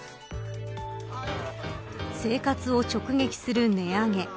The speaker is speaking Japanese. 生活を直撃する値上げ。